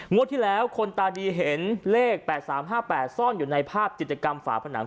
ที่แล้วคนตาดีเห็นเลข๘๓๕๘ซ่อนอยู่ในภาพจิตกรรมฝาผนัง